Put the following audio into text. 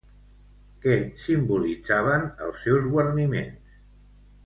Què simbolitzaven els seus guarniments?